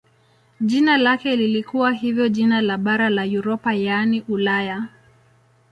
Jina lake lilikuwa hivyo jina la bara la Europa yaani Ulaya.